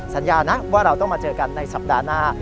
สัญญานะว่าเราต้องมาเจอกันในสัปดาห์หน้า